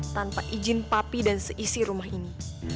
tanpa izin papi dan seisi rumah ini